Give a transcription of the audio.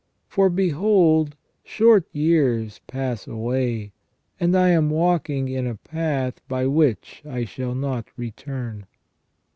For behold short years pass away, and I am walking in a path by which I shall not return."